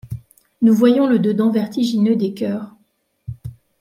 Nous voyons le dedans vertigineux des cœurs.